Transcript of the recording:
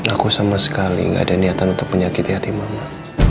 aku sama sekali gak ada niatan untuk menyakiti hati mama